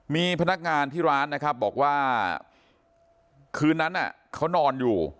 มีพนักงานที่ร้านนะครับบอกว่าคืนนั้นเขานอนอยู่